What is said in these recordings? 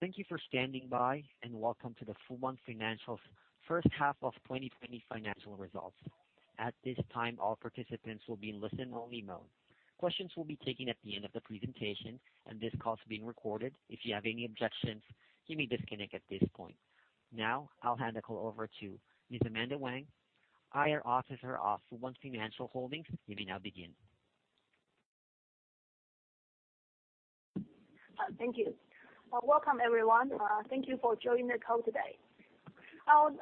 Thank you for standing by, welcome to the Fubon Financial first half of 2020 financial results. At this time, all participants will be in listen-only mode. Questions will be taken at the end of the presentation, this call is being recorded. If you have any objections, you may disconnect at this point. I'll hand the call over to Ms. Amanda Wang, IR Officer of Fubon Financial Holdings. You may now begin. Thank you. Welcome everyone. Thank you for joining the call today. I'll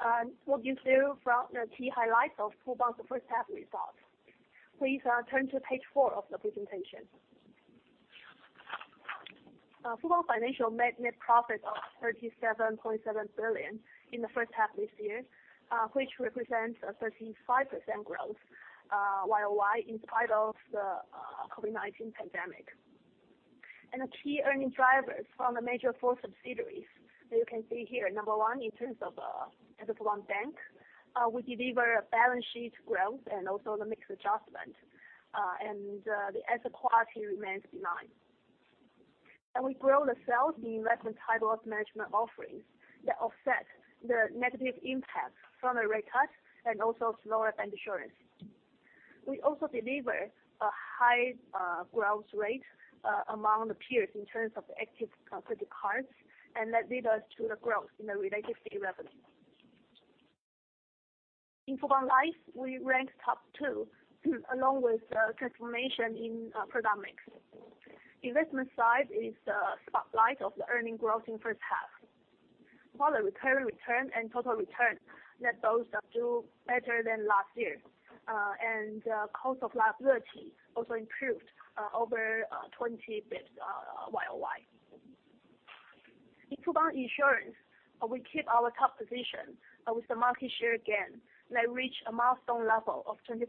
walk you through from the key highlights of Fubon's first half results. Please turn to page four of the presentation. Fubon Financial made net profit of 37.7 billion in the first half this year, which represents a 35% growth Y-O-Y in spite of the COVID-19 pandemic. The key earning drivers from the major four subsidiaries, you can see here, number one, in terms of Fubon Bank, we deliver a balance sheet growth and also the mix adjustment, and the asset quality remains benign. We grow the sales in investment type of management offerings that offset the negative impact from the rate cut and also slower bancassurance. We also deliver a high growth rate among the peers in terms of active credit cards, and that lead us to the growth in the related fee revenue. In Fubon Life, we ranked top two along with transformation in product mix. Investment side is the spotlight of the earning growth in first half. While the current return and total return, let those do better than last year. Cost of liability also improved over 20 bps Y-O-Y. In Fubon Insurance, we keep our top position with the market share gain that reach a milestone level of 25%.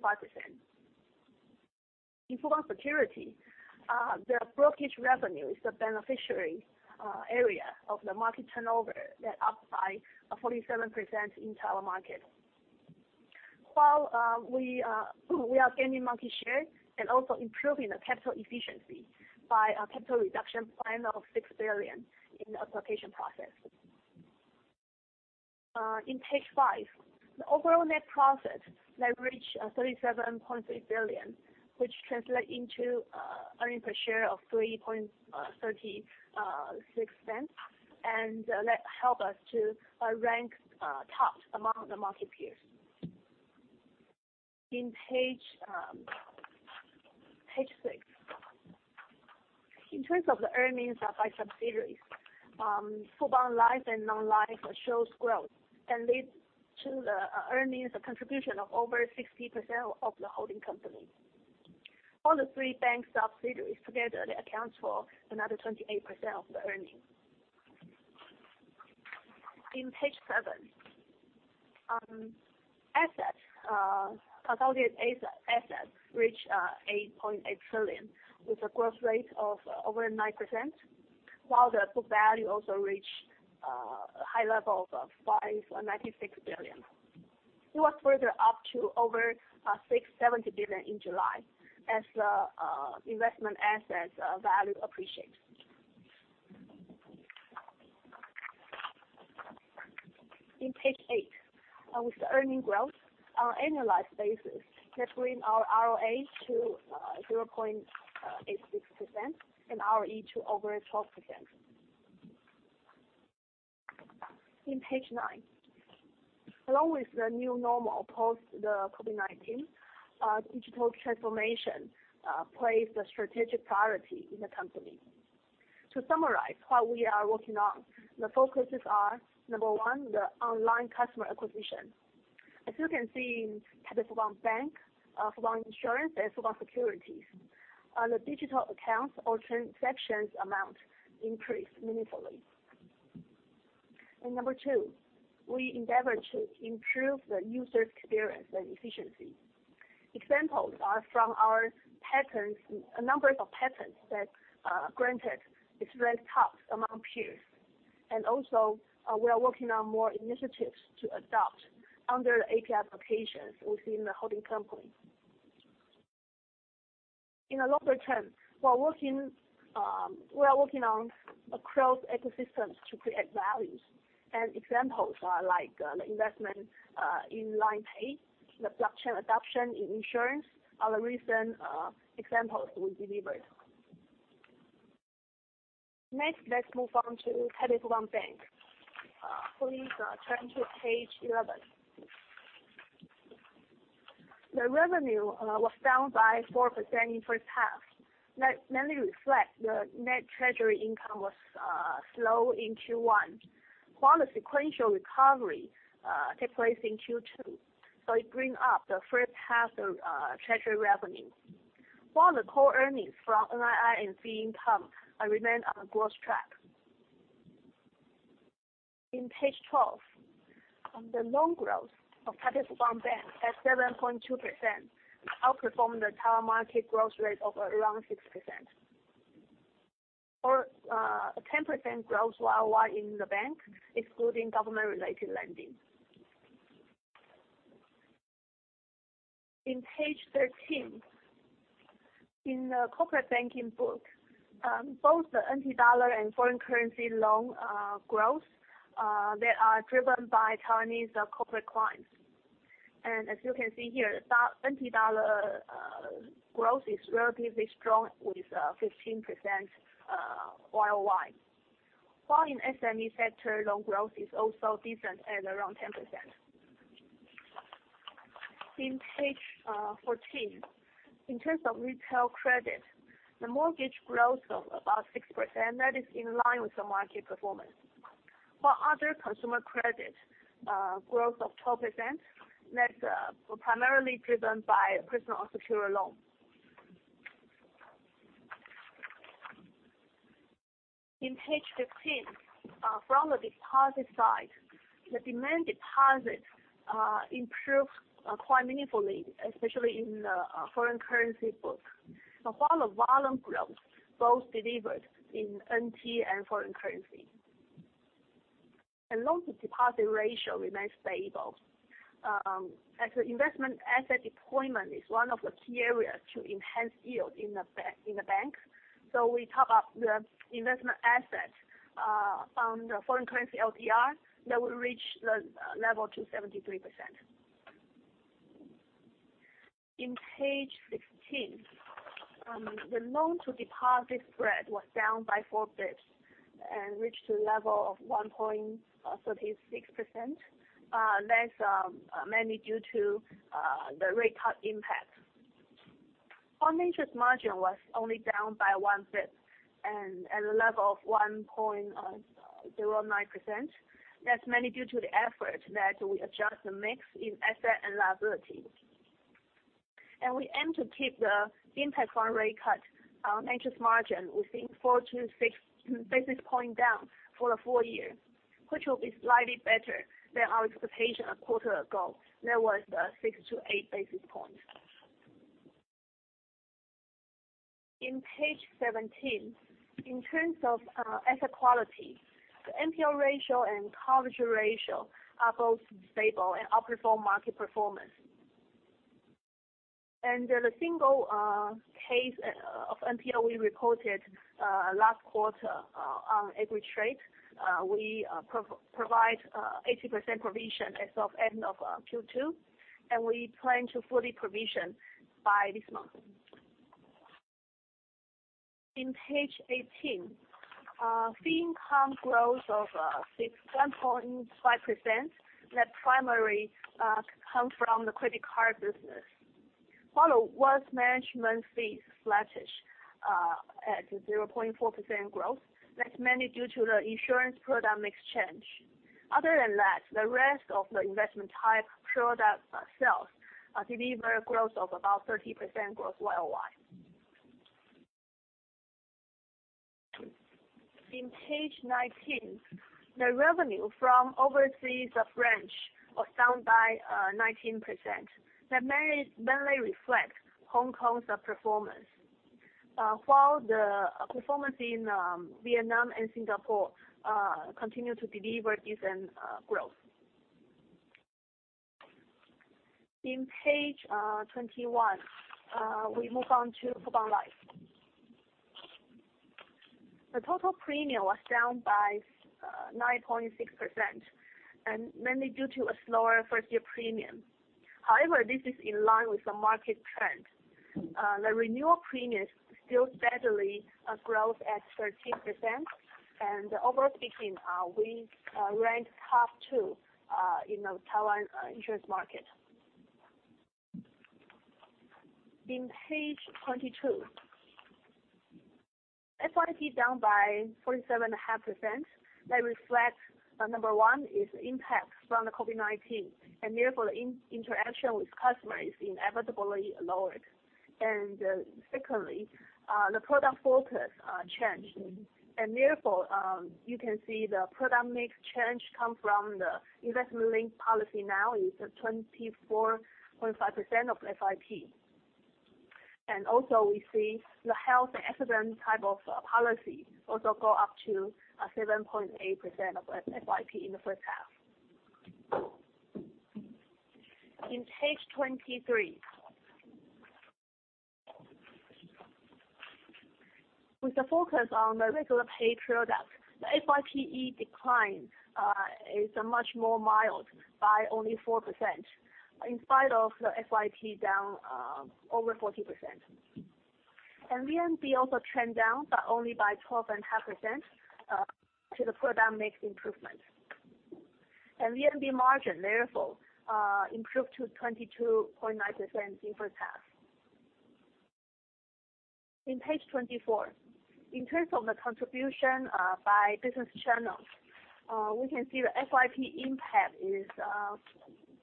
In Fubon Securities, their brokerage revenue is the beneficiary area of the market turnover that up by 47% in entire market, while we are gaining market share and also improving the capital efficiency by a capital reduction plan of 6 billion in the application process. In page five, the overall net profit that reach 37.3 billion, which translate into earning per share of 0.0336, that help us to rank top among the market peers. In page six. In terms of the earnings by subsidiaries, Fubon Life and Non-Life shows growth and leads to the earnings contribution of over 60% of the holding company. All the three bank subsidiaries together, they account for another 28% of the earnings. In page seven. Assets. Consolidated assets reach 8.8 trillion, with a growth rate of over 9%, while the book value also reach a high level of 596 billion. It was further up to over 670 billion in July as the investment assets value appreciate. In page eight. With the earning growth on annualized basis, that bring our ROA to 0.86% and ROE to over 12%. In page nine. Along with the new normal post the COVID-19, digital transformation plays the strategic priority in the company. To summarize what we are working on, the focuses are, number one, the online customer acquisition. As you can see in Taipei Fubon Bank, Fubon Insurance, and Fubon Securities, the digital accounts or transactions amount increased meaningfully. Number two, we endeavor to improve the user experience and efficiency. Examples are from our patterns, numbers of patterns that granted it is ranked top among peers. Also, we are working on more initiatives to adopt under the API applications within the holding company. In the longer term, we are working on across ecosystems to create values, and examples are like the investment in LINE Pay, the blockchain adoption in insurance, are the recent examples we delivered. Let us move on to Taipei Fubon Bank. Please turn to page eleven. The revenue was down by 4% in the first half. That mainly reflects the net treasury income was slow in Q1, while the sequential recovery took place in Q2. It bring up the first half of treasury revenue, while the core earnings from NII and fee income remain on growth track. In page twelve, the loan growth of Taipei Fubon Bank at 7.2% outperformed the entire market growth rate of around 6%. 10% growth Y-O-Y in the bank, excluding government-related lending. In page thirteen, in the corporate banking book, both the NT dollar and foreign currency loan growth are driven by Taiwanese corporate clients. As you can see here, the NT dollar growth is relatively strong with 15% Y-O-Y. While in SME sector, loan growth is also decent at around 10%. In page fourteen, in terms of retail credit, the mortgage growth of about 6%, that is in line with the market performance. For other consumer credit, growth of 12%, that is primarily driven by personal unsecured loans. In page fifteen, from the deposit side, the demand deposit improved quite meaningfully, especially in the foreign currency book, while the volume growth both delivered in NT dollar and foreign currency. The loan-to-deposit ratio remains stable. Actually, investment asset deployment is one of the key areas to enhance yield in the bank. We talk about the investment asset from the foreign currency LDR, that will reach the level to 73%. In page sixteen, the loan-to-deposit spread was down by four basis points and reached a level of 1.36%, that is mainly due to the rate cut impact. Our interest margin was only down by one basis point, and at a level of 1.09%. That is mainly due to the effort that we adjust the mix in asset and liabilities. We aim to keep the impact from rate cut on interest margin within four to six basis point down for the full year, which will be slightly better than our expectation a quarter ago. That was six to eight basis points. In page seventeen, in terms of asset quality, the NPL ratio and coverage ratio are both stable and outperform market performance. The single case of NPL we reported last quarter on Agritrade, we provide 80% provision as of end of Q2, and we plan to fully provision by this month. In page eighteen, fee income growth of 61.5%, that primarily come from the credit card business, while the wealth management fee flattish at 0.4% growth. That is mainly due to the insurance product mix change. Other than that, the rest of the investment type product sales deliver growth of about 30% growth Y-O-Y. In page 19, the revenue from overseas branch was down by 19%. That mainly reflect Hong Kong's performance, while the performance in Vietnam and Singapore continue to deliver decent growth. In page 21, we move on to Fubon Life. The total premium was down by 9.6%, mainly due to a slower first-year premium. However, this is in line with the market trend. The renewal premium still steadily grows at 13%, and overall speaking, we rank top two in the Taiwan insurance market. In page 22, FYP down by 47.5%, that reflects, number one, its impact from the COVID-19, and therefore, the interaction with customers is inevitably lowered. Secondly, the product focus changed, and therefore, you can see the product mix change come from the investment-linked policy now is 24.5% of FYP. Also, we see the health accident type of policy also go up to 7.8% of FYP in the first half. In page 23. With the focus on the regular paid product, the FYPE decline is much more mild by only 4%, in spite of the FYP down over 40%. VNB also trend down, but only by 12.5% to the product mix improvement. VNB margin, therefore, improved to 22.9% in first half. In page 24, in terms of the contribution by business channels, we can see the FYP impact is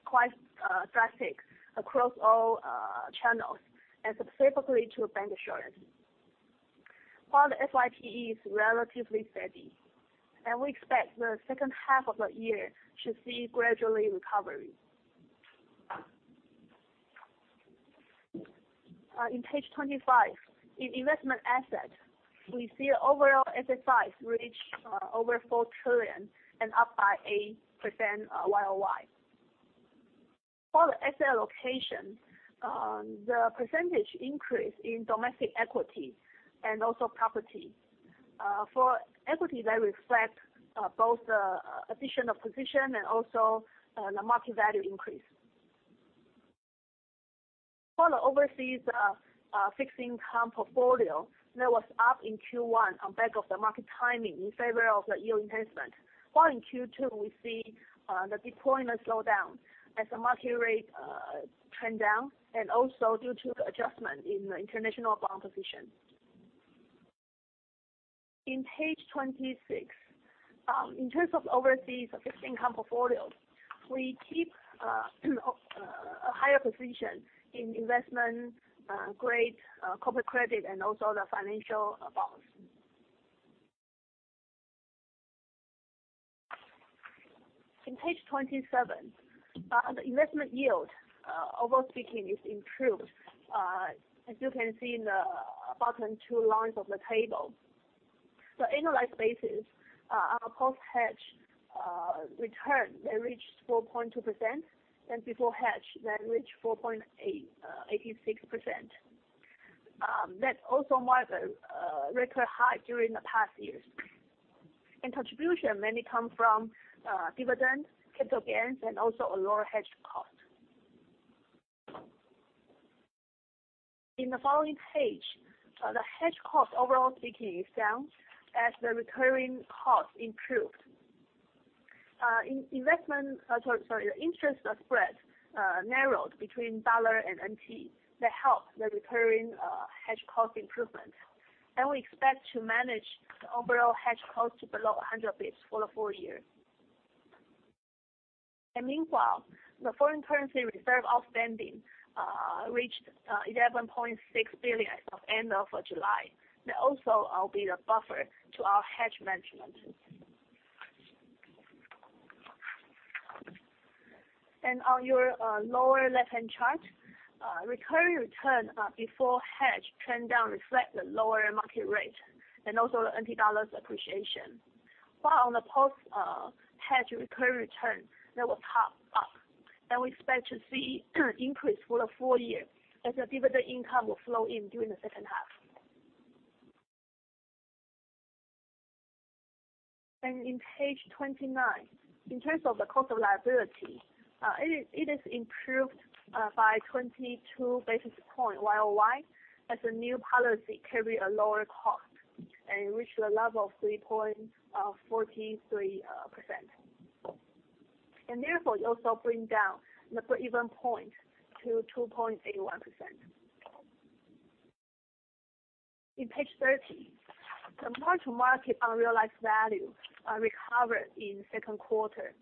quite drastic across all channels and specifically to bancassurance, while the FYPE is relatively steady. We expect the second half of the year to see gradually recovery. In page 25, in investment assets, we see overall asset size reach over 4 trillion and up by 8% Y-O-Y. For the asset allocation, the percentage increase in domestic equity and also property. For equity, they reflect both the addition of position and also the market value increase. For the overseas fixed income portfolio, that was up in Q1 on back of the market timing in favor of the yield enhancement. While in Q2, we see the deployment slow down as the market rate trend down, and also due to the adjustment in the international bond position. In page 26, in terms of overseas fixed income portfolio, we keep a higher position in investment-grade corporate credit and also the financial bonds. In page 27, the investment yield overall speaking is improved. As you can see in the bottom two lines of the table. Annualized basis, our post-hedge return, that reached 4.2%, and before hedge, that reached 4.86%. That also marked a record high during the past years. Contribution mainly come from dividends, capital gains, and also a lower hedge cost. In the following page, the hedge cost overall speaking is down as the recurring cost improved. The interest spread narrowed between dollar and NT. That helped the recurring hedge cost improvement. We expect to manage the overall hedge cost to below 100 basis points for the full year. Meanwhile, the foreign currency reserve outstanding reached 11.6 billion of end of July. That also will be the buffer to our hedge management. On your lower left-hand chart, recurring return before hedge trend down reflect the lower market rate and also the NT dollar's appreciation. On the post-hedge recurring return, that will top up, and we expect to see increase for the full year as the dividend income will flow in during the second half. In page 29, in terms of the cost of liability, it is improved by 22 basis points YOY as the new policy carry a lower cost and reach the level of 3.43%. Therefore, it also bring down the breakeven point to 2.81%. In page 30, the mark-to-market unrealized value recovered in second quarter.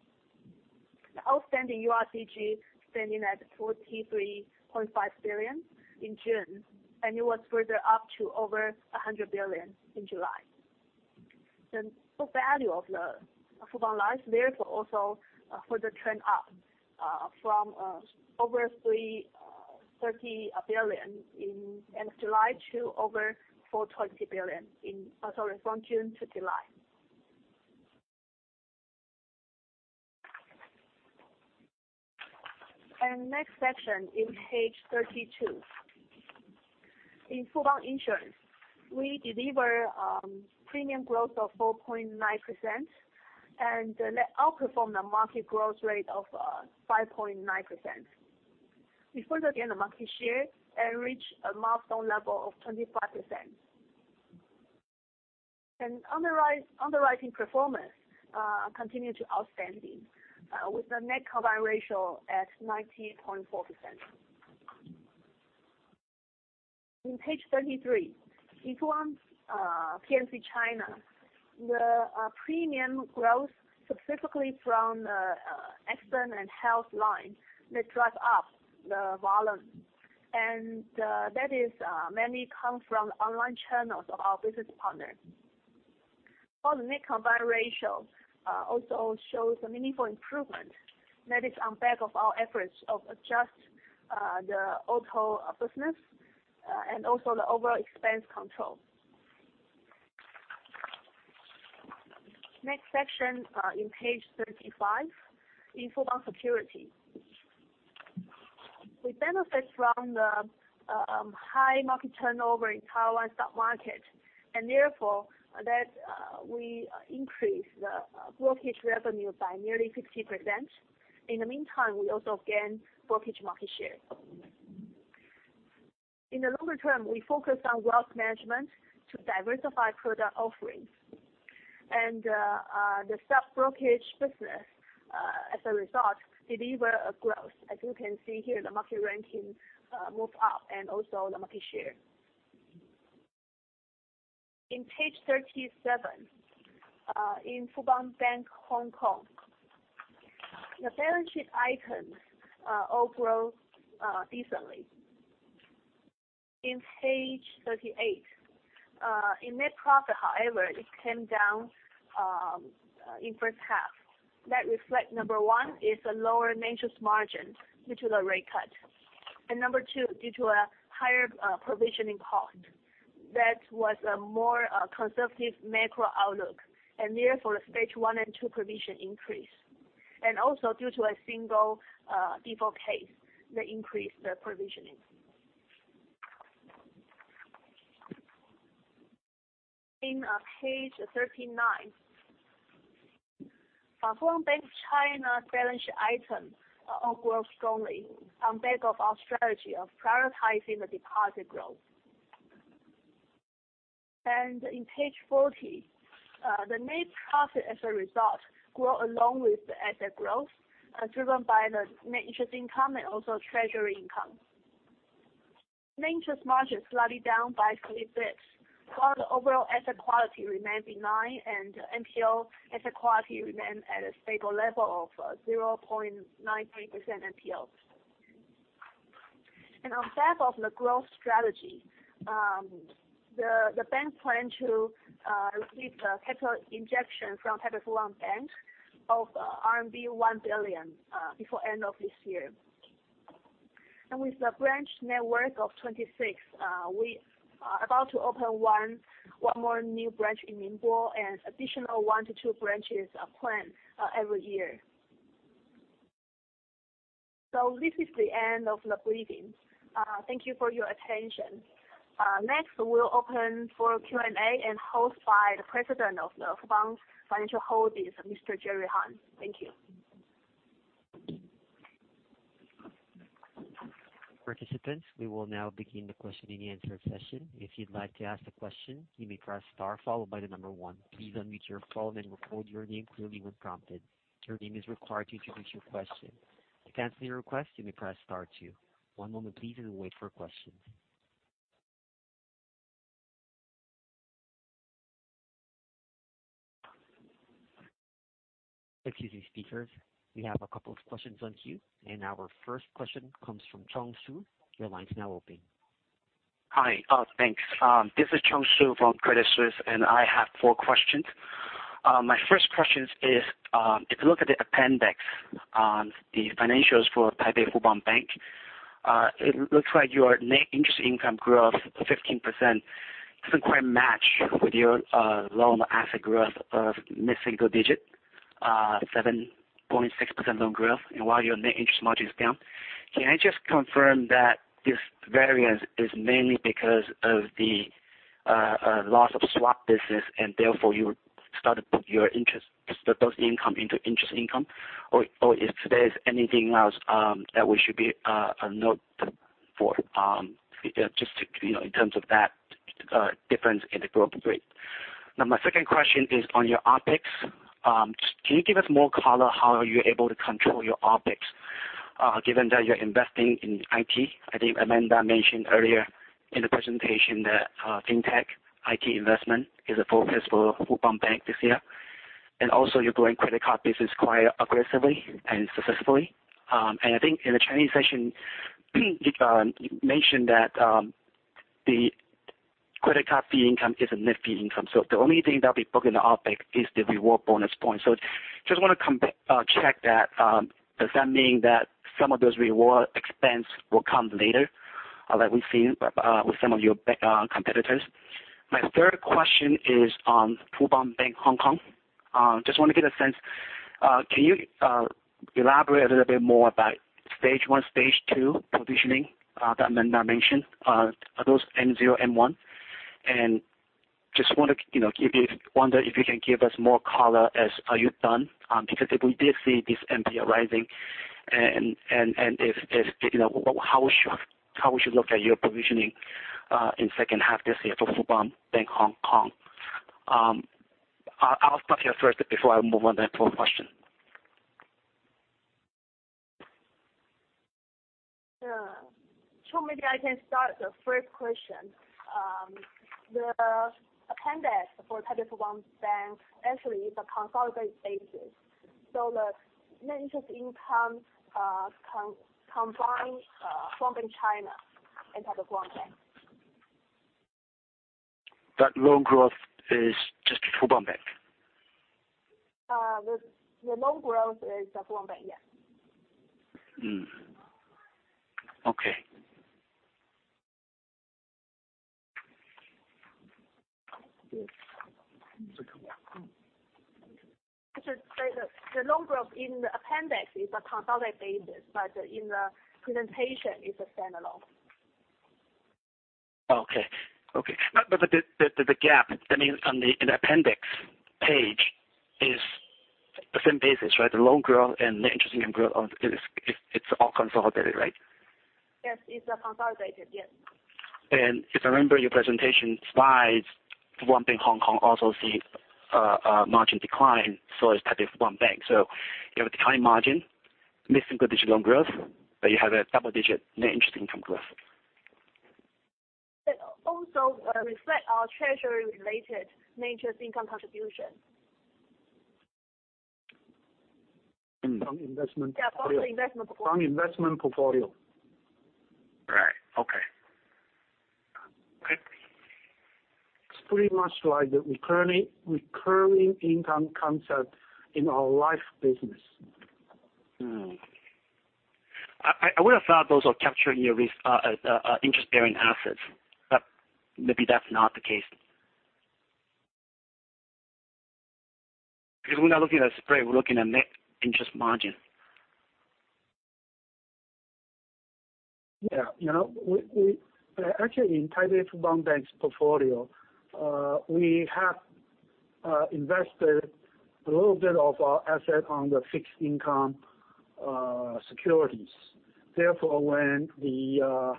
The outstanding URCG standing at 43.5 billion in June, it was further up to over 100 billion in July. The book value of the Fubon Life therefore also further trend up from over 330 billion in end of July to over 420 billion from June to July. Next section in page 32. In Fubon Insurance, we deliver premium growth of 4.9% that outperform the market growth rate of 5.9%. We further gain the market share and reach a milestone level of 25%. Underwriting performance continue to outstanding, with the net combined ratio at 90.4%. In page 33, Fubon P&C China, the premium growth specifically from the accident and health line that drive up the volume. That is mainly come from the online channels of our business partners. For the net combined ratio also shows a meaningful improvement that is on back of our efforts of adjust the auto business and also the overall expense control. Next section in page 35, in Fubon Securities. We benefit from the high market turnover in Taiwan stock market, therefore, that we increase the brokerage revenue by nearly 50%. In the meantime, we also gain brokerage market share. In the longer term, we focus on wealth management to diversify product offerings. The sub-brokerage business, as a result, deliver a growth. As you can see here, the market ranking move up and also the market share. In page 37, in Fubon Bank Hong Kong, the balance sheet items all grow decently. In page 38, in net profit, however, it came down in the first half. That reflects, number one, is a lower net interest margin due to the rate cut. Number two, due to a higher provisioning cost, that was a more conservative macro outlook, therefore Stage 1 and 2 provision increase. Also due to a single default case that increased the provisioning. In page 39, Fubon Bank China's balance items all grew strongly on the back of our strategy of prioritizing the deposit growth. On page 40, the net profit as a result grew along with the asset growth, driven by the net interest income and also treasury income. Net interest margin is slightly down by 30 basis points, while the overall asset quality remained benign and NPL asset quality remained at a stable level of 0.93% NPL. On the back of the growth strategy, the bank plans to receive a capital injection from Taipei Fubon Bank of RMB 1 billion before the end of this year. With a branch network of 26, we are about to open one more new branch in Ningbo and additional one to two branches are planned every year. This is the end of the briefing. Thank you for your attention. Next, we'll open for Q&A and hosted by the President of Fubon Financial Holding, Mr. Jerry Harn. Thank you. Participants, we will now begin the question-and-answer session. If you'd like to ask a question, you may press star 1. Please unmute your phone and record your name clearly when prompted. Your name is required to introduce your question. To cancel your request, you may press star 2. One moment please, as we wait for questions. Excuse me, speakers. We have a couple of questions in queue, our first question comes from Cheng Siu. Your line is now open. Hi. Thanks. This is Cheng Siu from Credit Suisse, I have four questions. My first question is, if you look at the appendix on the financials for Taipei Fubon Bank, it looks like your net interest income growth of 15% doesn't quite match with your loan asset growth of missing the digit, 7.6% loan growth, while your net interest margin is down. Can I just confirm that this variance is mainly because of the loss of swap business, and therefore you start to put your interest, those income into interest income? If there's anything else that we should note for, just in terms of that difference in the growth rate. My second question is on your OpEx. Can you give us more color how you're able to control your OpEx, given that you're investing in IT? I think Amanda mentioned earlier in the presentation that FinTech IT investment is a focus for Fubon Bank this year, you're growing credit card business quite aggressively and successfully. I think in the Chinese session, you mentioned that the credit card fee income is a net fee income. The only thing that'll be booked in the OpEx is the reward bonus points. Just want to check that. Does that mean that some of those reward expense will come later, like we've seen with some of your competitors? My third question is on Fubon Bank Hong Kong. Just want to get a sense. Can you elaborate a little bit more about Stage 1, Stage 2 provisioning that Amanda mentioned? Are those N0, N1? Just wonder if you can give us more color as are you done? If we did see this NPL rising, how we should look at your provisioning in second half this year for Fubon Bank Hong Kong? I'll stop here first before I move on to the fourth question. Sure. Maybe I can start the first question. The appendix for Taipei Fubon Bank actually is a consolidated basis. The net interest income combines Fubon China and Taipei Fubon Bank. That loan growth is just Fubon Bank? The loan growth is Fubon Bank, yes. Okay. The loan growth in the appendix is a consolidated basis, but in the presentation, it's a standalone. Okay. The gap, that means on the appendix page is the same basis, right? The loan growth and net interest income growth, it's all consolidated, right? Yes. It's consolidated. Yes. If I remember your presentation slides, Fubon Bank (Hong Kong) also sees a margin decline, so is Taipei Fubon Bank. You have a declining margin, missing the digital growth, but you have a double-digit net interest income growth. That also reflects our treasury-related net interest income contribution. From investment portfolio. Yeah, from the investment portfolio. From investment portfolio. Right. Okay. It's pretty much like the recurring income concept in our life business. I would have thought those are captured in your interest-bearing assets, but maybe that's not the case. Because we're not looking at spread, we're looking at net interest margin. Yeah. Actually, in Taipei Fubon Bank's portfolio, we have invested a little bit of our asset on the fixed income securities. Therefore, when the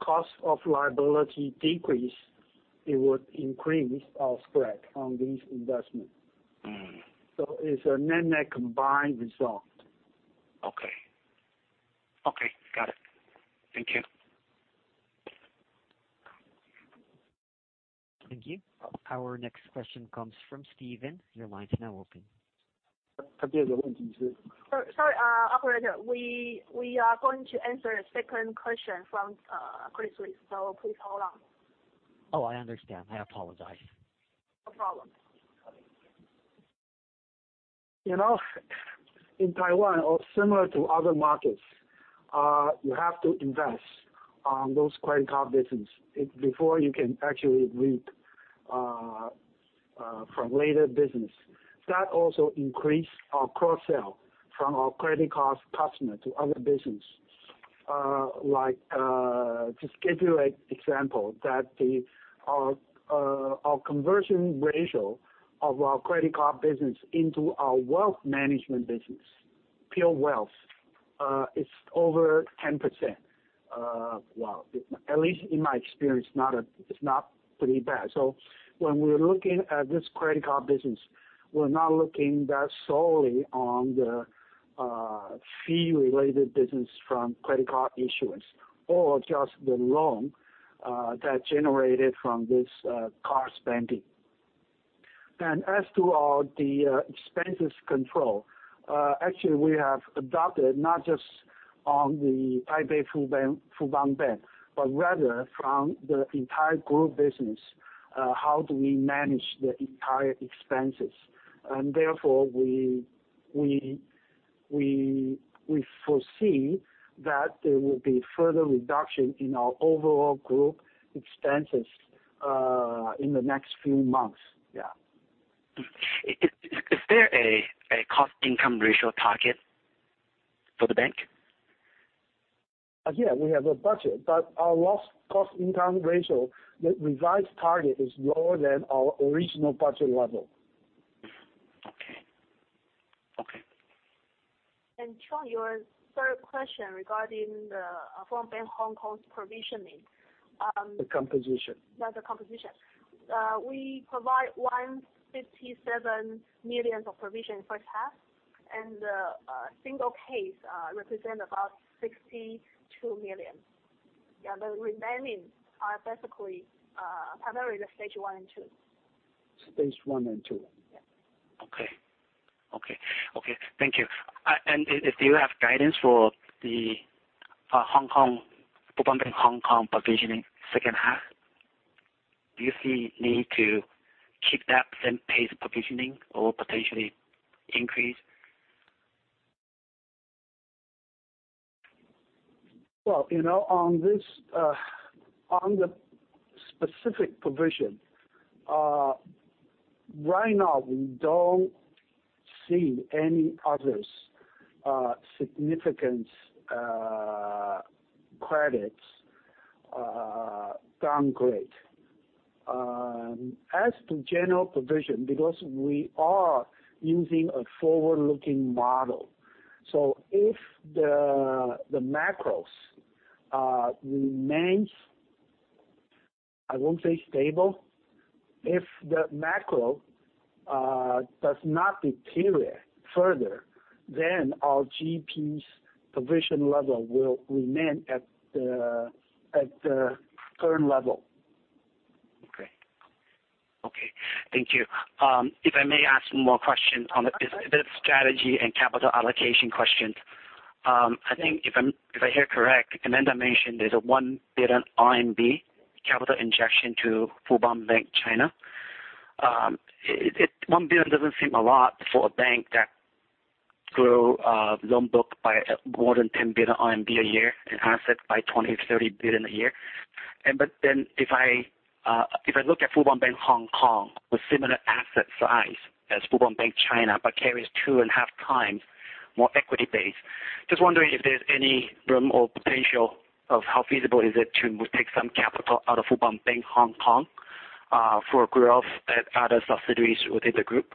cost of liability decrease, it would increase our spread on these investment. It's a net-net combined result. Okay. Got it. Thank you. Thank you. Our next question comes from Steven. Your line is now open. Sorry, operator. We are going to answer a second question from Credit Suisse. Please hold on. I understand. I apologize. No problem. In Taiwan, or similar to other markets, you have to invest on those credit card business before you can actually reap from later business. That also increased our cross-sell from our credit card customer to other business. Like, to give you an example, that our conversion ratio of our credit card business into our wealth management business, pure wealth, is over 10%. Well, at least in my experience, it's not pretty bad. When we're looking at this credit card business, we're not looking that solely on the fee-related business from credit card issuance or just the loan that generated from this card spending. As to the expenses control, actually, we have adopted not just on the Taipei Fubon Bank, but rather from the entire group business, how do we manage the entire expenses? Therefore, we foresee that there will be further reduction in our overall group expenses in the next few months. Yeah. Is there a cost income ratio target for the bank? Yeah, we have a budget, but our lost cost income ratio, the revised target is lower than our original budget level. Okay. Sean, your third question regarding the Fubon Bank Hong Kong's provisioning. The composition. Yeah, the composition. We provide 157 million of provision first half, and a single case represent about 62 million. Yeah, the remaining are basically, primarily the Stage 1 and 2. Stage 1 and Stage 2. Yeah. Okay. Thank you. Do you have guidance for the Fubon Bank in Hong Kong provisioning second half? Do you see need to keep that same pace of provisioning or potentially increase? Well, on the specific provision, right now, we don't see any other significant credits downgrade. As to general provision, because we are using a forward-looking model, if the macros remains I won't say stable. If the macro does not deteriorate further, our GP provision level will remain at the current level. Okay. Thank you. If I may ask more question on the business strategy and capital allocation question. I think if I hear correct, Amanda mentioned there's a 1 billion RMB capital injection to Fubon Bank China. 1 billion doesn't seem a lot for a bank that grow loan book by more than 10 billion RMB a year and asset by 20 billion to RMB 30 billion a year. If I look at Fubon Bank Hong Kong with similar asset size as Fubon Bank China, but carries two and a half times more equity base, just wondering if there's any room or potential of how feasible is it to take some capital out of Fubon Bank Hong Kong for growth at other subsidiaries within the group?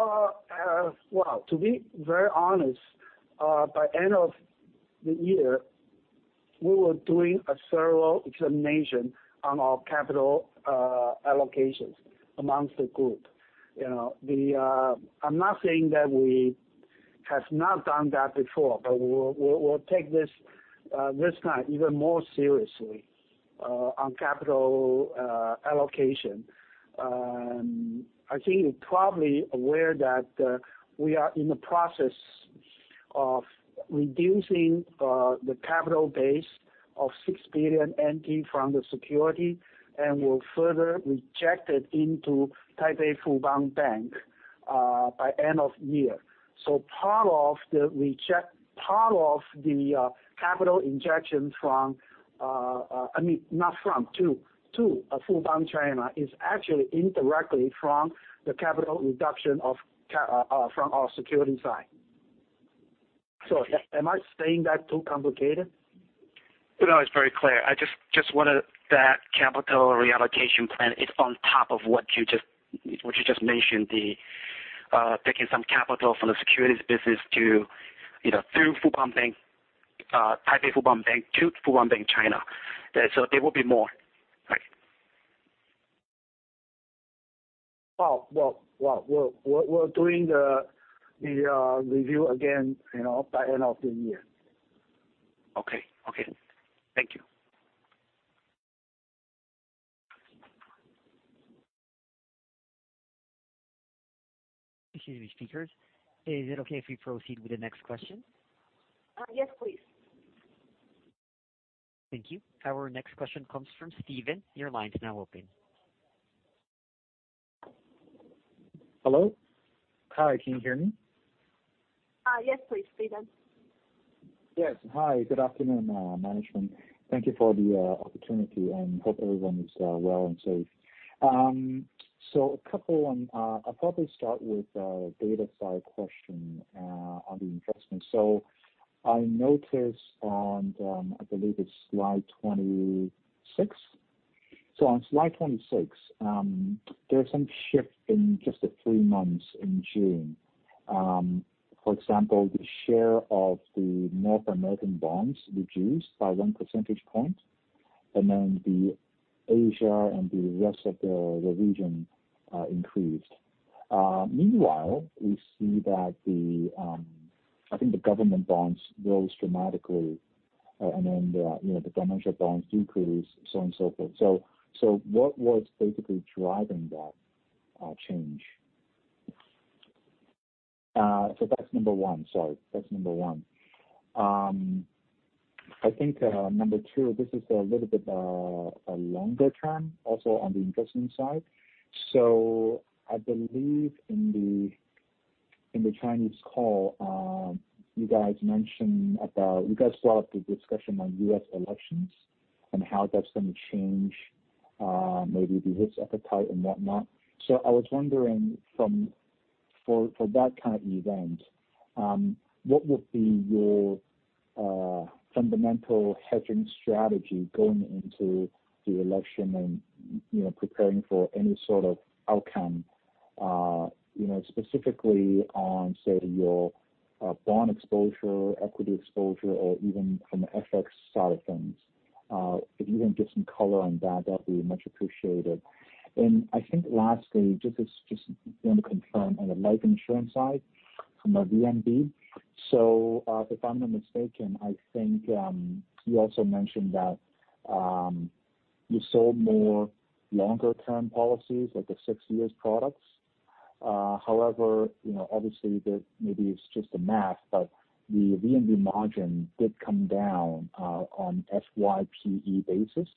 To be very honest, by end of the year, we were doing a thorough examination on our capital allocations amongst the group. I'm not saying that we have not done that before, but we'll take this time even more seriously on capital allocation. I think you're probably aware that we are in the process of reducing the capital base of 6 billion NT from Fubon Securities, and will further reject it into Taipei Fubon Bank by end of year. Part of the capital injections from, I mean, not from, to Fubon China, is actually indirectly from the capital reduction from our Fubon Securities side. Sorry, am I saying that too complicated? No, it's very clear. I just wondered, that capital reallocation plan is on top of what you just mentioned, the taking some capital from the securities business through Taipei Fubon Bank to Fubon Bank China. There will be more. Right. We're doing the review again by end of the year. Okay. Thank you. Excuse me, speakers. Is it okay if we proceed with the next question? Yes, please. Thank you. Our next question comes from Steven. Your line is now open. Hello? Hi, can you hear me? Yes, please, Steven. Yes, hi. Good afternoon, management. Thank you for the opportunity, and hope everyone is well and safe. I'll probably start with a data side question on the investment. I noticed on, I believe it's slide 26. On slide 26, there's some shift in just the three months in June. For example, the share of the North American bonds reduced by one percentage point, and then the Asia and the rest of the region increased. Meanwhile, we see that, I think the government bonds rose dramatically, and then the commercial bonds decreased, so on and so forth. What was basically driving that change? That's number one. Sorry. That's number one. I think number two, this is a little bit a longer term, also on the investment side. I believe in the Chinese call, you guys brought up the discussion on U.S. elections and how that's going to change maybe the risk appetite and whatnot. I was wondering for that kind of event, what would be your fundamental hedging strategy going into the election and preparing for any sort of outcome, specifically on, say, your bond exposure, equity exposure, or even from the FX side of things. If you can give some color on that'd be much appreciated. I think lastly, just want to confirm on the life insurance side, from a VNB. If I'm not mistaken, I think you also mentioned that you sold more longer term policies, like the six years products. However, obviously, maybe it's just the math, but the VNB margin did come down on FYPE basis.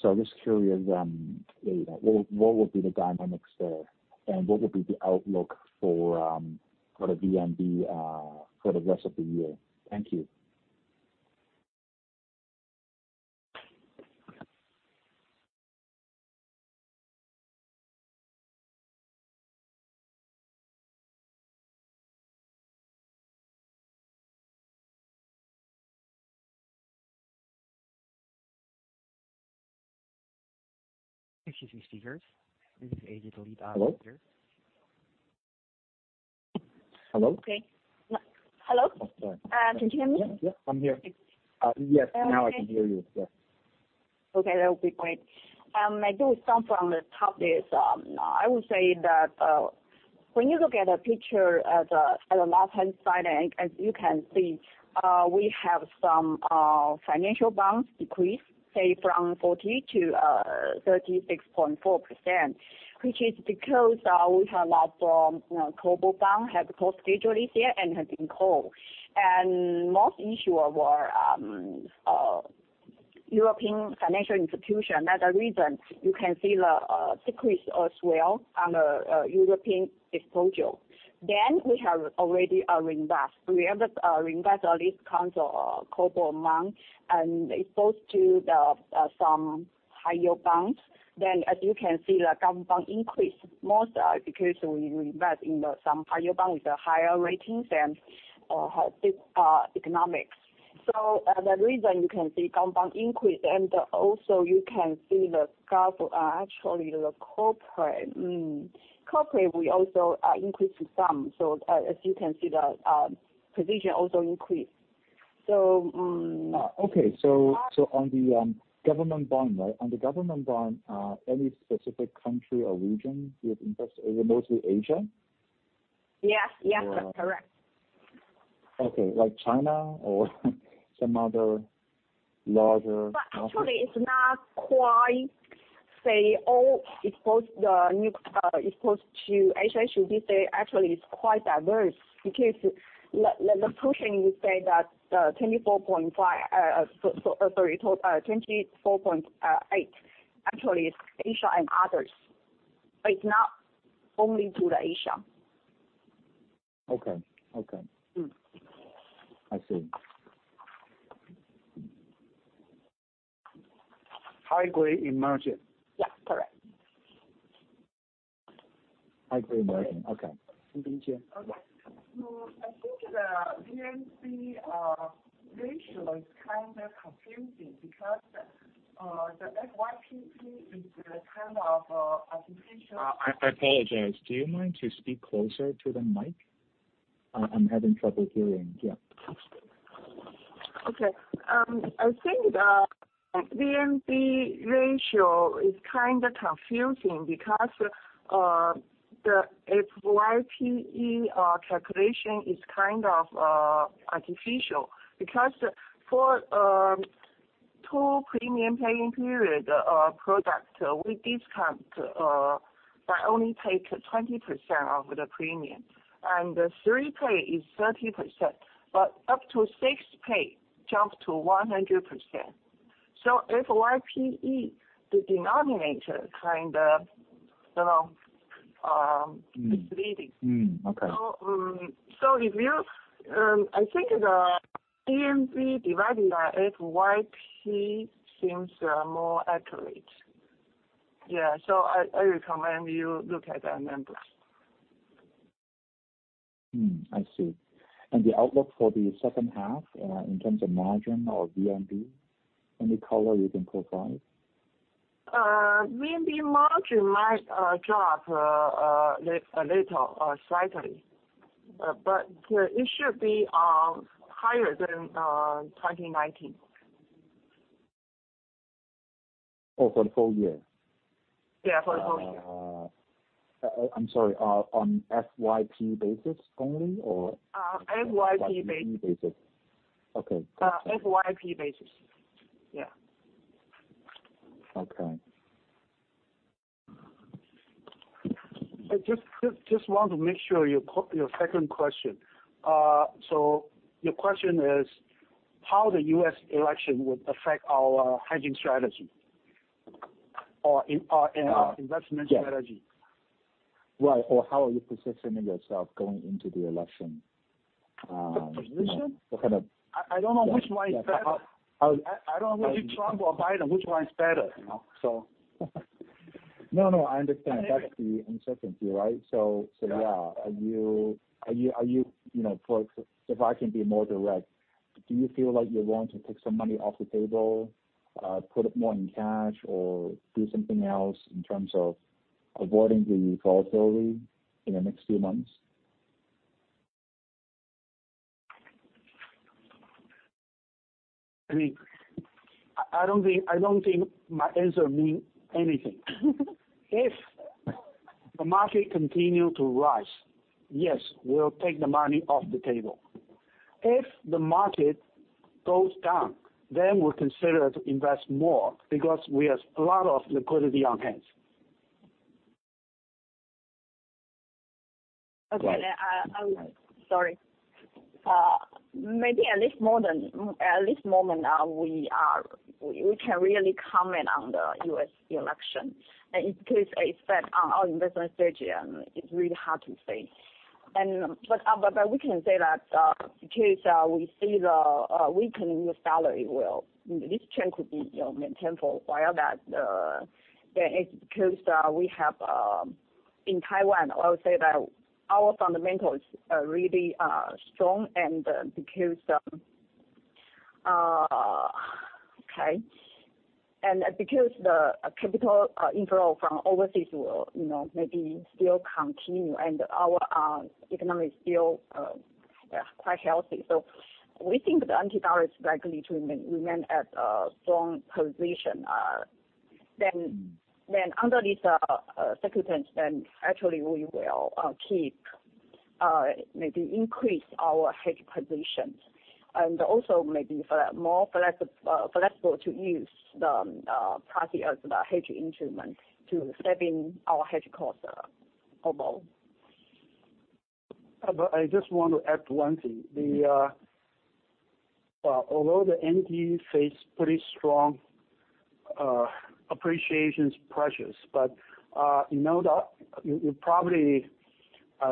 Just curious, what will be the dynamics there, and what will be the outlook for the VNB for the rest of the year? Thank you. Excuse me, speakers. This is a delete operator. Hello? Okay. Hello? Can you hear me? Yeah, I'm here. Yes, now I can hear you. Yeah. Okay, that would be great. I do some from the top list. I would say that when you look at the picture at the left-hand side, as you can see, we have some financial bonds decrease, say, from 40%-36.4%, which is because we have a lot from CoCo Bond have closed gradually there and have been called. Most issuer were European financial institution. Another reason you can see the decrease as well on the European exposure. We have already reinvest. We have reinvest our lease console CoCo amount, and exposed to some higher bonds. As you can see, the government bond increased most because we invest in some higher bond with higher ratings and economics. The reason you can see government bond increase, and also you can see actually the corporate. Corporate, we also increased some. As you can see, the position also increased. Okay. On the government bond, right? On the government bond, any specific country or region you have invested? Is it mostly Asia? Yes. That's correct. Okay. Like China. Actually, it's not quite, say, all exposed to Asia. Actually, it's quite diverse because the proportion would say that 24.5, sorry, 24.8 actually is Asia and others. It's not only to the Asia. Okay. I see. High grade in margin? Yeah, correct. High grade margin. Okay. I think the VNB ratio is kind of confusing because the FYPE is kind of artificial. I apologize. Do you mind to speak closer to the mic? I'm having trouble hearing. Yeah. I think the VNB ratio is kind of confusing because the FYPE calculation is kind of artificial because for two premium paying period product, we discount by only pay 20% of the premium, and the three pay is 30%, but up to six pay jumps to 100%. FYPE, the denominator, kind of misleading. Okay. I think the VNB divided by FYP seems more accurate. Yeah. I recommend you look at that number. I see. The outlook for the second half, in terms of margin or VNB, any color you can provide? VNB margin might drop a little or slightly. It should be higher than 2019. For the full year? Yeah, for the full year. I'm sorry. On FYP basis only or? FYP basis. Okay. FYP basis. Yeah. Okay. Just want to make sure your second question. Your question is how the U.S. election would affect our hedging strategy or our investment strategy. Right. How are you positioning yourself going into the election? The position? The kind of- I don't know which one is better. I don't know if Trump or Biden, which one is better. No, I understand. That's the uncertainty, right? Yeah. If I can be more direct, do you feel like you're going to take some money off the table, put it more in cash, or do something else in terms of avoiding the volatility in the next few months? I don't think my answer means anything. If the market continue to rise, yes, we'll take the money off the table. If the market goes down, we'll consider to invest more because we have a lot of liquidity on hand. Okay. Sorry. Maybe at this moment, we can't really comment on the U.S. election because it's based on our investment strategy, and it's really hard to say. We can say that because we see the weakening of the NT dollar. This trend could be maintained for a while, that it's because we have in Taiwan, I would say that our fundamentals are really strong and because the capital inflow from overseas will maybe still continue and our economy is still quite healthy. We think the NT dollar is likely to remain at a strong position. Under this circumstance, actually we will keep, maybe increase our hedge positions and also maybe more flexible to use the proxy as the hedge instrument to step in our hedge costs promo. I just want to add one thing. Although the NT face pretty strong appreciations pressures, you probably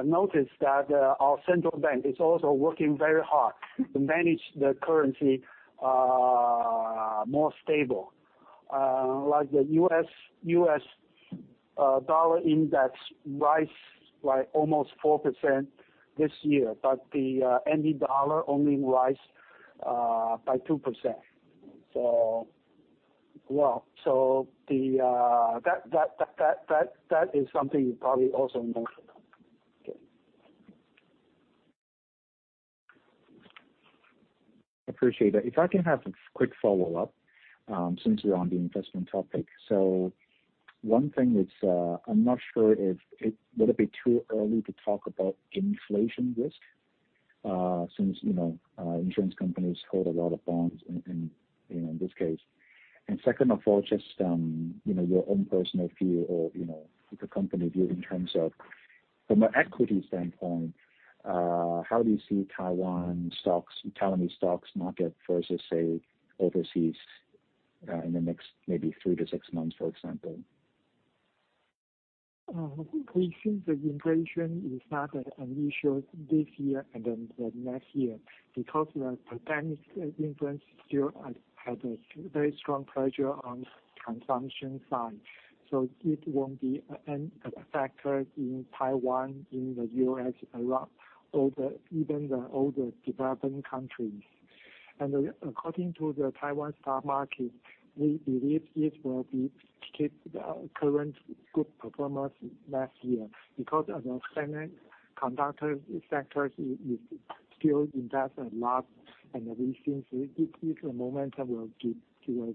noticed that our central bank is also working very hard to manage the currency more stable. Like the U.S. Dollar Index rise by almost 4% this year, the NT dollar only rise by 2%. That is something you probably also noticed. Appreciate that. If I can have a quick follow-up since we're on the investment topic. One thing is, I'm not sure if, would it be too early to talk about inflation risk? Since insurance companies hold a lot of bonds in this case. Second of all, just your own personal view or the company view in terms of from an equity standpoint, how do you see Taiwan stocks, Taiwanese stocks market versus, say, overseas, in the next maybe three to six months, for example? We think the inflation is not that unusual this year and the next year because the pandemic influence still has a very strong pressure on consumption side. It won't be a factor in Taiwan, in the U.S., Europe, or even all the developing countries. According to the Taiwan stock market, we believe it will keep the current good performance last year because of the semiconductor sectors is still invest a lot, and we think it's the momentum will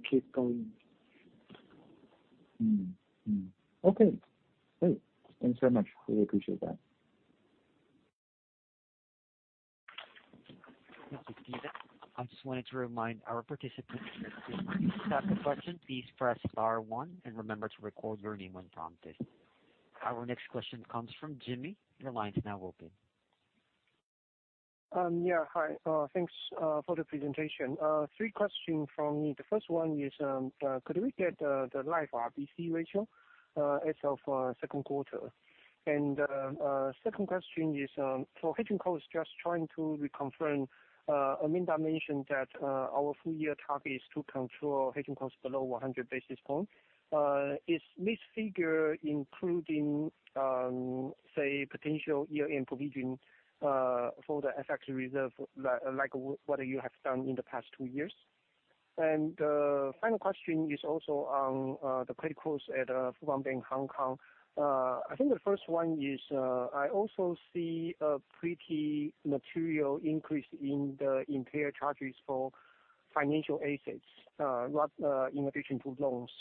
keep going. Okay. Great. Thanks so much. Really appreciate that. Thank you, Steven. I just wanted to remind our participants that if you have a question, please press star one and remember to record your name when prompted. Our next question comes from Jimmy. Your line is now open. Hi. Thanks for the presentation. Three questions from me. The first one is, could we get the live RBC ratio as of second quarter? Second question is, for hedging costs, just trying to reconfirm, Amanda mentioned that our full-year target is to control hedging costs below 100 basis points. Is this figure including, say, potential year-end provision for the FX reserve, like what you have done in the past two years? Final question is also on the credit cost at Fubon Bank Hong Kong. I think the first one is, I also see a pretty material increase in the impaired charges for financial assets, in addition to loans.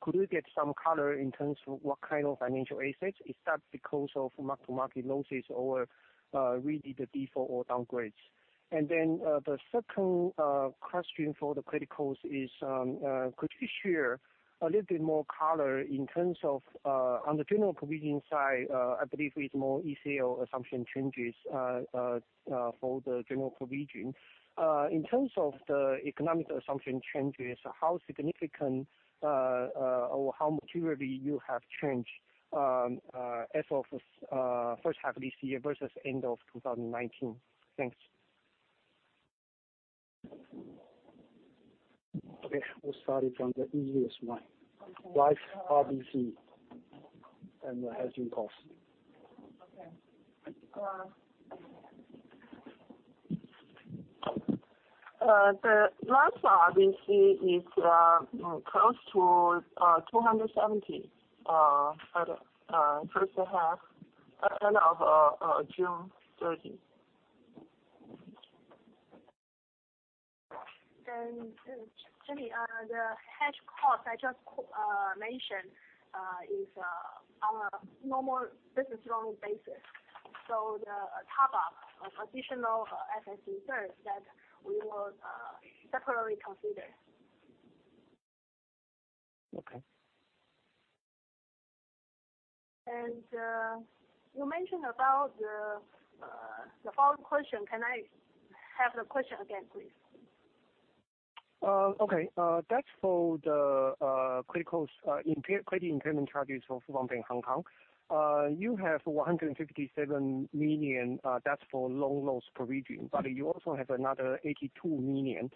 Could we get some color in terms of what kind of financial assets? Is that because of mark-to-market losses or really the default or downgrades? The second question for the credit cost is, could you share a little bit more color in terms of, on the general provision side, I believe it's more ECL assumption changes for the general provision. In terms of the economic assumption changes, how significant or how materially you have changed as of first half of this year versus end of 2019? Thanks. We'll start it from the easiest one. Live RBC and the hedging cost. The last RBC is close to 270 at first half, end of June 30. Jimmy, the hedge cost I just mentioned is on a normal business loan basis. The top-up of additional FX reserves that we will separately consider. Okay. You mentioned about the follow-up question. Can I have the question again, please? Okay. That is for the credit cost, credit impairment charges for Fubon Bank Hong Kong. You have 157 million, that is for loan loss provision, but you also have another 82 million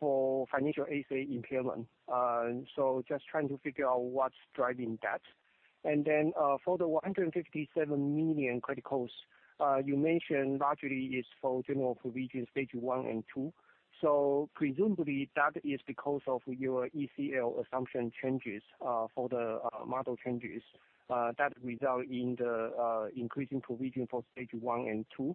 for financial asset impairment. Just trying to figure out what is driving that. For the 157 million credit costs you mentioned largely is for general provision stage 1 and 2. Presumably that is because of your ECL assumption changes for the model changes that result in the increasing provision for stage 1 and 2.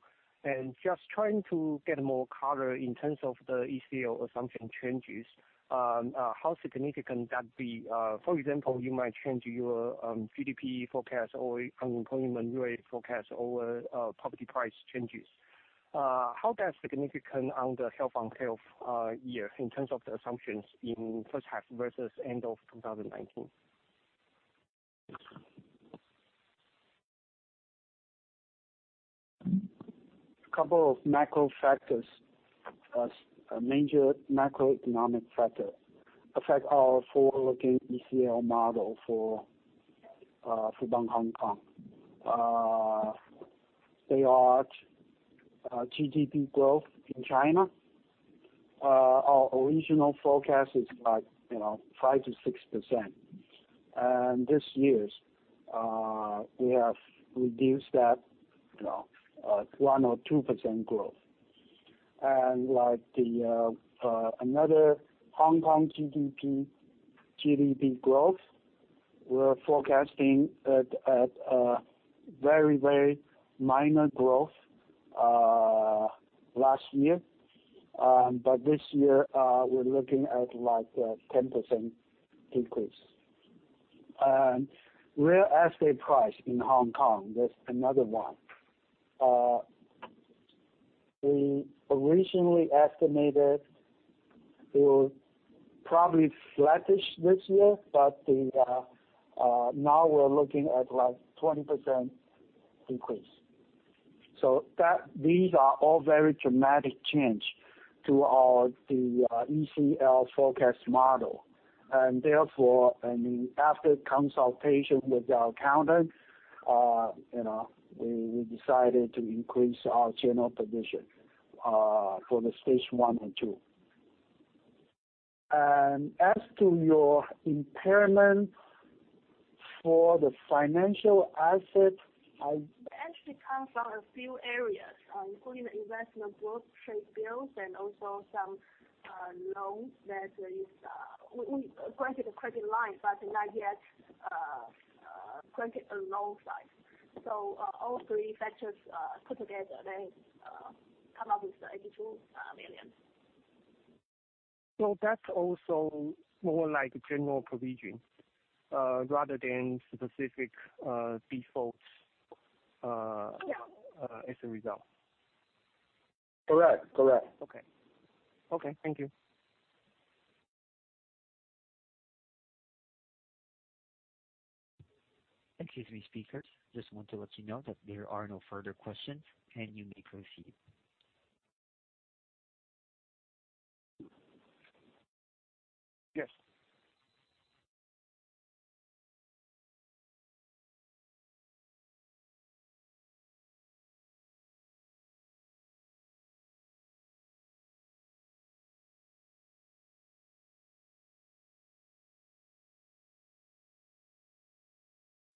Just trying to get more color in terms of the ECL assumption changes. How significant that be? For example, you might change your GDP forecast or unemployment rate forecast or property price changes. How that is significant on the half-on-half year in terms of the assumptions in first half versus end of 2019? A couple of macro factors as a major macroeconomic factor affect our forward-looking ECL model for Fubon Hong Kong. They are GDP growth in China. Our original forecast is 5%-6%. This year, we have reduced that to 1% or 2% growth. Another Hong Kong GDP growth. We are forecasting at a very minor growth last year. This year, we are looking at a 10% decrease. Real estate price in Hong Kong, that is another one. We originally estimated it will probably flattish this year, but now we are looking at like 20% decrease. These are all very dramatic change to the ECL forecast model. Therefore, after consultation with our accountant, we decided to increase our general provision for the stage 1 and 2. As to your impairment for the financial asset, It actually comes from a few areas, including the investment growth trade bills and also some loans that we granted a credit line, but not yet granted a loan size. All three factors put together, they come up with the NTD 82 million. That's also more like General Provision, rather than specific defaults- Yeah as a result. Correct. Okay. Thank you. Excuse me, speakers. Just want to let you know that there are no further questions, and you may proceed.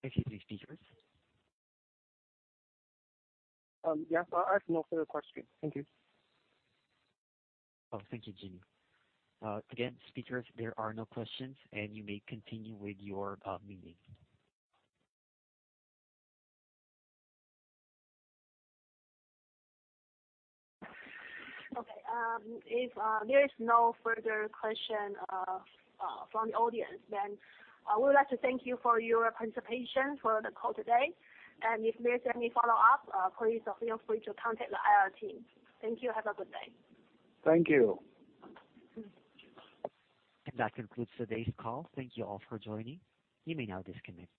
Yes. Excuse me, speakers. Yeah. I have no further questions. Thank you. Oh, thank you, Jimmy. Again, speakers, there are no questions, and you may continue with your meeting. Okay. If there is no further question from the audience, I would like to thank you for your participation for the call today. If there's any follow-up, please feel free to contact the IR team. Thank you. Have a good day. Thank you. That concludes today's call. Thank you all for joining. You may now disconnect.